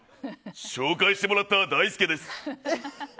紹介してもらったダイスケです。